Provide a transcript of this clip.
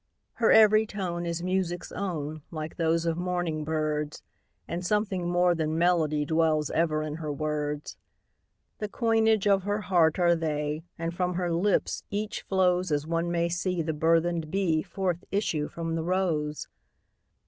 Her every tone is music's own, Like those of morning birds, And something more than melody Dwells ever in her words; The coinage of her heart are they, And from her lips each flows As one may see the burden'd bee Forth issue from the rose.